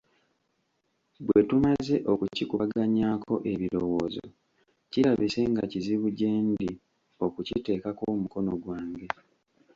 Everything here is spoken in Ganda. Bwetumaze okukikubaganyaako ebirowozo, kirabise nga kizibu gyendi okukiteekako omukono gwange.